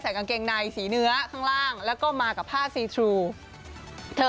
กางเกงในสีเนื้อข้างล่างแล้วก็มากับผ้าซีชูเธอ